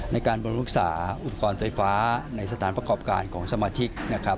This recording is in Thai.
ในการบริรักษาอุปกรณ์ไฟฟ้าในสถานประกอบการของสมาชิกนะครับ